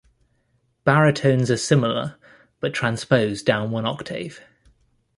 Baritones are similar, but transpose down one octave.